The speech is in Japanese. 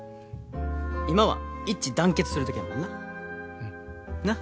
今は一致団結する時やもんなうんなっ